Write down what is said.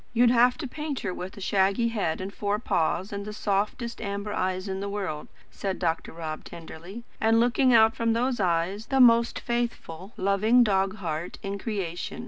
"You'd have to paint her with a shaggy head, four paws, and the softest amber eyes in the world," said Dr. Rob tenderly; "and, looking out from those eyes, the most faithful, loving dog heart in creation.